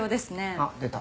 あっ出た。